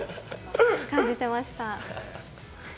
感じてました。